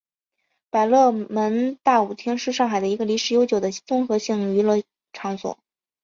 百乐门大舞厅是上海的一个历史悠久的综合性娱乐场所。